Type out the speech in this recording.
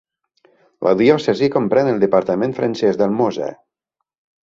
La diòcesi comprèn el departament francès del Mosa.